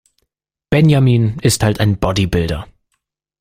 Benjamin ist halt ein Bodybuilder.